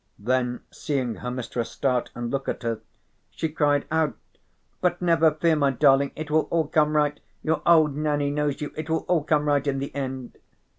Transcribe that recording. Then, seeing her mistress start and look at her, she cried out: "But never fear, my darling, it will all come right, your old Nanny knows you, it will all come right in the end."